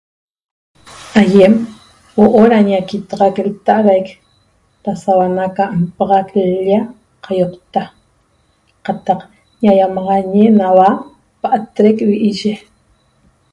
Aiem huo'o ra ñaquitaxac lta'araic ra sauana ca npaxac l-lla qaioqta qataq ñaiamaxañi naua paatrec vi'iye.